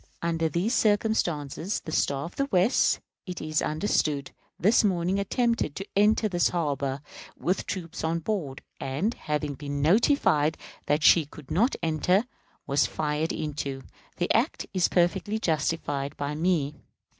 Under these circumstances, the Star of the West, it is understood, this morning attempted to enter this harbor, with troops on board; and, having been notified that she could not enter, was fired into. The act is perfectly justified by me.